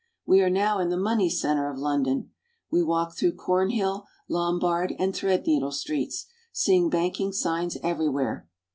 We are now in the money center of London. We walk through Cornhill, Lombard, and Threadneedle Streets, seeing banking signs everywhere.